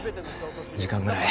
時間がない。